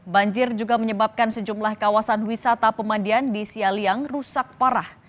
banjir juga menyebabkan sejumlah kawasan wisata pemandian di sialiang rusak parah